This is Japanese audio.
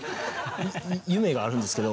夢があるんですけど。